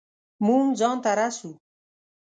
مونږ ځان ته رسو